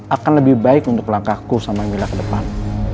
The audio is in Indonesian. akan lebih baik untuk langkahku sama mila ke depan